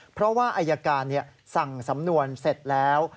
เพราะว่าอายการสั่งสำนวนเสร็จแล้ว